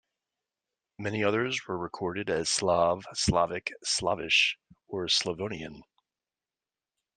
Many others were recorded as Slav, Slavic, Slavish, or Slavonian.